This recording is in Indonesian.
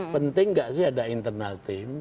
penting nggak sih ada internal team